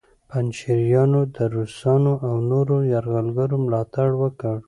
پنجشیریانو د روسانو او نورو یرغلګرو ملاتړ وکړ